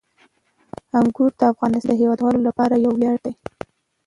انګور د افغانستان د هیوادوالو لپاره یو ویاړ دی.